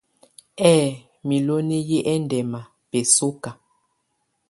Ɛ̌ɛ miloni yɛ ɛndɛma bɛsɔka.